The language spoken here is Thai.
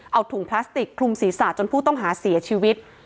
เอาถุงพลาสติกคลุมศีรษะจนผู้ต้องหาเสียชีวิต